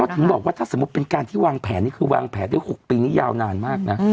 ถึงบอกว่าถ้าสมมุติเป็นการที่วางแผนนี่คือวางแผนได้๖ปีนี้ยาวนานมากนะ